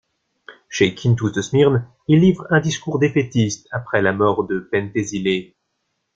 Chez Quintus de Smyrne, il livre un discours défaitiste après la mort de Penthésilée.